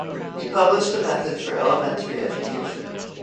He published a method for elementary education.